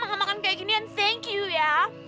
nggak makan kayak gini and thank you ya